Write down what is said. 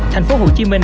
thành phố hồ chí minh